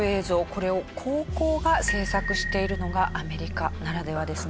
これを高校が制作しているのがアメリカならではですね。